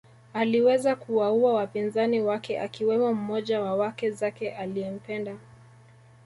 Aliweza kuwaua wapinzani wake akiwemo mmoja wa wake zake aliempenda